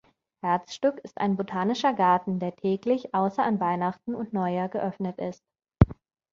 Herzstück ist ein Botanischer Garten, der täglich, außer an Weihnachten und Neujahr, geöffnet ist.